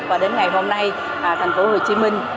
và đến ngày hôm nay thành phố hồ chí minh